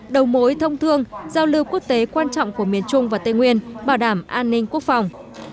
đầu mối thông thương giao lưu quốc tế quan trọng của miền trung và tây nguyên bảo đảm an ninh quốc phòng